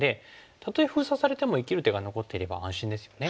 たとえ封鎖されても生きる手が残っていれば安心ですよね。